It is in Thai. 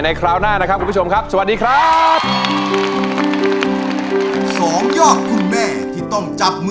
คราวหน้านะครับคุณผู้ชมครับสวัสดีครับ